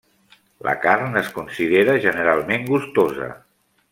La carn es considera generalment gustosa.